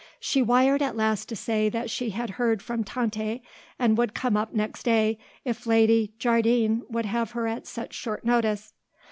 She wired at last to say that she had heard from Tante and would come up next day if Lady Jardine could have her at such short notice.